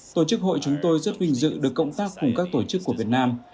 tổ chức hội chúng tôi rất vinh dự được cộng tác cùng các tổ chức của việt nam